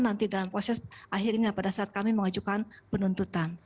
nanti dalam proses akhirnya pada saat kami mengajukan penuntutan